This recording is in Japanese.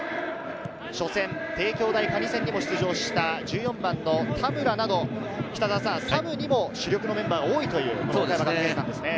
初戦、帝京大可児戦にも出場した１４番の田村など、サブにも主力のメンバーが多いという岡山学芸館ですね。